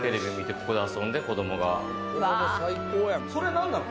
それ何なの？